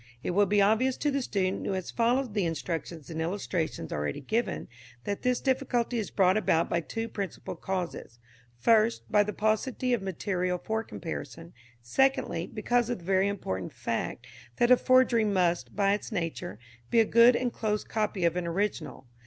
It will be obvious to the student who has followed the instructions and illustrations already given that this difficulty is brought about by two principal causes: first, by the paucity of material for comparison; secondly, because of the very important fact that a forgery must, by its nature, be a good and close copy of an original.